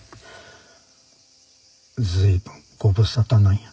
随分ご無沙汰なんや。